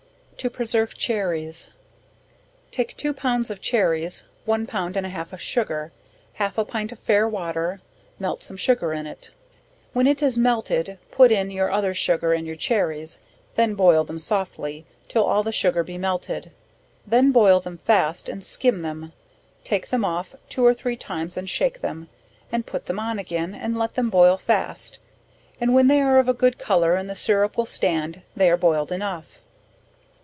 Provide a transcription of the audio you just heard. To preserve Cherries. Take two pounds of cherries, one pound and a half of sugar, half a pint of fair water, melt some sugar in it; when it is melted, put in your other sugar and your cherries; then boil them softly, till all the sugar be melted; then boil them fast, and skim them; take them off two or three times and shake them, and put them on again, and let them boil fast; and when they are of a good colour, and the sirrup will stand, they are boiled enough.